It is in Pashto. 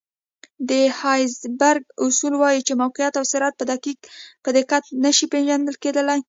د هایزنبرګ اصول وایي چې موقعیت او سرعت په دقت نه شي پېژندل کېدلی.